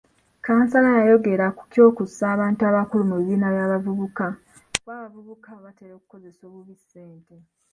Kansala yayogera ku ky'okussa abantu abakulu mu bibiina by'abavubuka kuba abavubuka batera okukozesa obubi ssente.